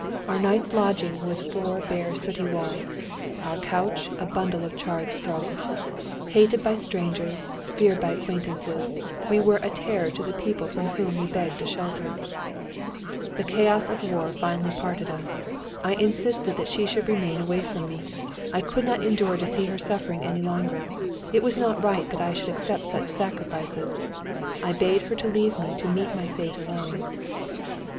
Our night's lodging was four bare sooty walls, our couch a bundle of charred straw. Hated by strangers, feared by acquaintances, we were a terror to the people from whom we begged a shelter. [Footnote 57: Pastliewich, by command of the Tzar, invaded Hungary in 1849, with 100,000 men.] The chaos of war finally parted us. I insisted that she should remain away from me. I could not endure to see her suffering any longer. It was not right that I should accept such sacrifices. I bade her leave me to meet my fate alone.